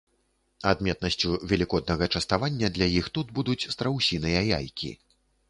Адметнасцю велікоднага частавання для іх тут будуць страусіныя яйкі.